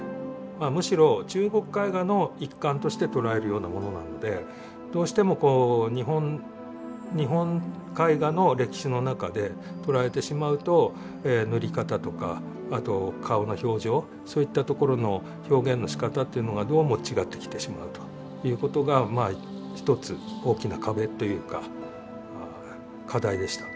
まあむしろ中国絵画の一環として捉えるようなものなのでどうしてもこう日本絵画の歴史の中で捉えてしまうと塗り方とかあと顔の表情そういったところの表現のしかたというのがどうも違ってきてしまうということがまあ一つ大きな壁というか課題でした。